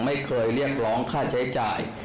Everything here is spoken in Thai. ไม่เคยเรียกร้องค่าใช้จ่าย